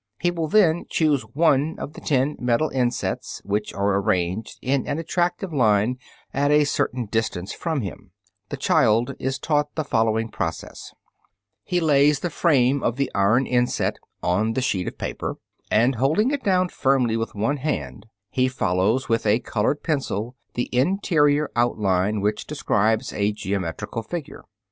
He will then choose one of the ten metal insets, which are arranged in an attractive line at a certain distance from him. The child is taught the following process: [Illustration: FIG. 28. SLOPING BOARDS TO DISPLAY SET OF METAL INSETS.] He lays the frame of the iron inset on the sheet of paper, and, holding it down firmly with one hand, he follows with a colored pencil the interior outline which describes a geometrical figure.